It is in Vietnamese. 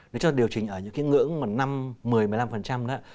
nếu chúng ta điều chỉnh ở những cái ngưỡng mà năm một mươi một mươi năm đó